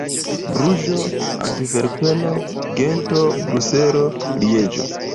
Bruĝo, Antverpeno, Gento, Bruselo, Lieĝo.